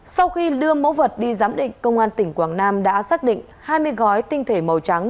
sau khi đưa mẫu vật đi giám định công an tỉnh quảng nam đã xác định hai mươi gói tinh thể màu trắng